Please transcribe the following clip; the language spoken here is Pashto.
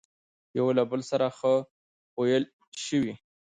يوه له بل سره ښه پويل شوي،